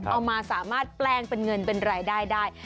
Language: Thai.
เอามาสามารถแปลงเป็นเงินเป็นรายได้ได้